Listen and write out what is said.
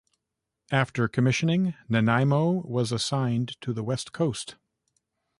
After commissioning, "Nanaimo" was assigned to the west coast.